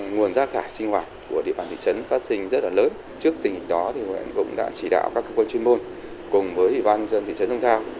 nguồn rác thải sinh hoạt của địa bản thị trấn phát sinh rất là lớn trước tình hình đó huyện cũng đã chỉ đạo các cơ quan chuyên môn cùng với hị văn dân thị trấn sông thao